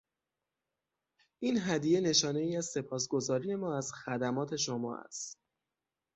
این هدیه نشانهای از سپاسگزاری ما از خدمات شما است.